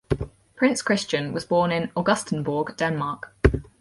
Prince Christian was born in Augustenborg, Denmark.